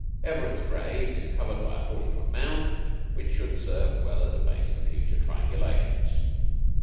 Everett's grave is covered by a forty foot mound, which should serve well as a base for future triangulations.